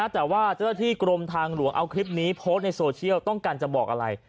แต่ว่าเจ้าหน้าที่กรมทางหลวงเอาคลิปนี้โพสต์ในโซเชียลต้องการจะบอกอะไร